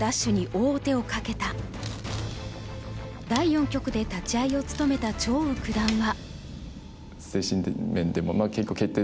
第四局で立ち会いを務めた張栩九段は。